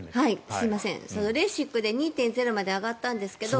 すみません、レーシックで２．０まで上がったんですけど